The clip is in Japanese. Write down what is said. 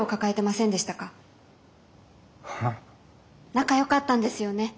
仲よかったんですよね？